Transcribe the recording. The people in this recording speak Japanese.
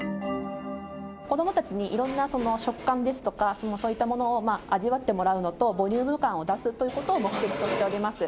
子どもたちにいろんな食感ですとか、そういったものを味わってもらうのと、ボリューム感を出すということを目的としております。